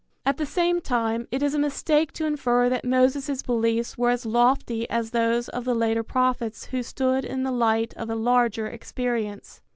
At the same time it is a mistake to infer that Moses' beliefs were as lofty as those of the later prophets who stood in the light of a larger experience.